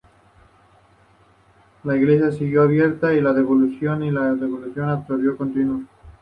La iglesia siguió abierta y la devoción a esta advocación continuó.